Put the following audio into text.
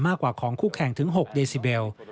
มากกว่าของคู่แข่งถึง๖เดซิเบล